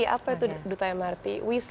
apa itu duta mrt